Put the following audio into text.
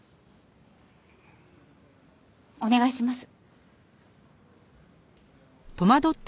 お願いします。